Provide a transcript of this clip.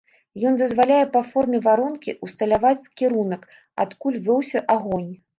Ён дазваляе па форме варонкі ўсталяваць кірунак, адкуль вёўся агонь.